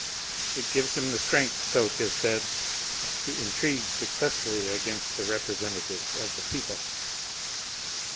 It gives him the strength, so 'tis said, to intrigue successfully against the representatives of the people."